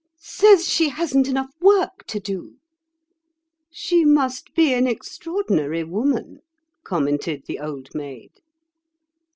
"Says she hasn't enough work to do." "She must be an extraordinary woman," commented the Old Maid.